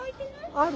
ある。